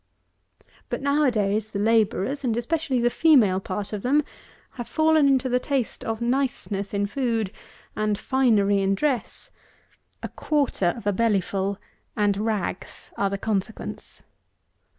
But, now a days, the labourers, and especially the female part of them, have fallen into the taste of niceness in food and finery in dress; a quarter of a bellyful and rags are the consequence.